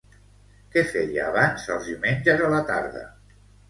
Què feia abans els diumenges a la tarda?